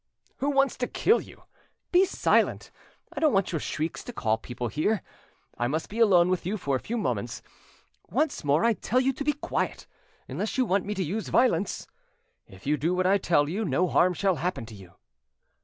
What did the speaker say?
"Who wants to kill you? But be silent; I don't want your shrieks to call people here. I must be alone with you for a few moments. Once more I tell you to be quiet, unless you want me to use violence. If you do what I tell you, no harm shall happen to you."